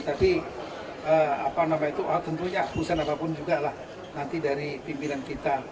tapi apa namanya itu tentunya keputusan apapun juga lah nanti dari pimpinan kita